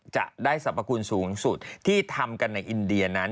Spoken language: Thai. จะได้สรรพคุณสูงสุดที่ทำกันในอินเดียนั้น